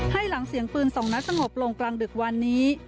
ให้หลังเสียงปืนสองนัดสงบลงกลางดึกวันนี้